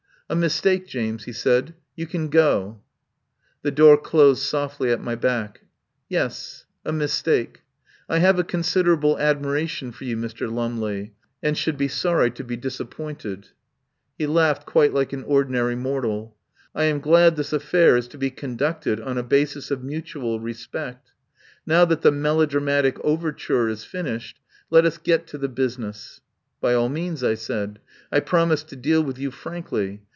"A mistake, James," he said. "You can go." The door closed softly at my back. "Yes. A mistake. I have a considerable admiration for you, Mr. Lumley, and should be sorry to be disappointed." He laughed quite like an ordinary mortal. "I am glad this affair is to be conducted on a basis of mutual respect. Now that the melo dramatic overture is finished, let us get to the business." "By all means," I said. "I promised to deal with you frankly.